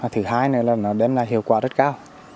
thứ hai nữa là nó đem lại hiệu quả rất cao